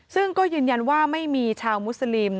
ซึ่งก็ยืนยันว่าไม่มีชาวมุสลิม